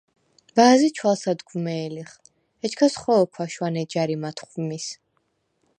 ბა̄ზი ჩვალსადგვმე̄ლიხ, ეჩქას ხო̄ქვა შვანე ჯა̈რი მათხვმის: